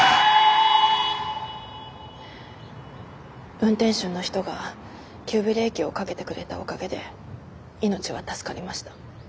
運転手の人が急ブレーキをかけてくれたおかげで命は助かりました。